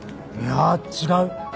いや違う。